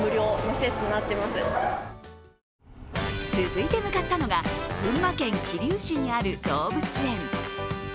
続いて向かったのが、群馬県桐生市にある動物園。